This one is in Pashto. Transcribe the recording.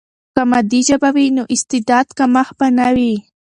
که مادي ژبه وي، نو د استعداد کمښت به نه وي.